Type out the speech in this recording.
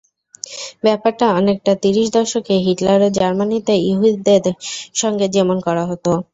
ব্যাপারটা অনেকটা তিরিশ দশকে হিটলারের জার্মানিতে ইহুদিদের সঙ্গে যেমন করা হতো।